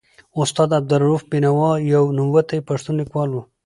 استاد عبدالروف بینوا یو نوموتی پښتون لیکوال و.